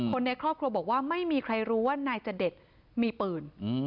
คนในครอบครัวบอกว่าไม่มีใครรู้ว่านายจเดชมีปืน